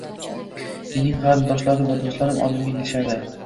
Mening qarindoshlarim va do'stlarim oldimga kelishardi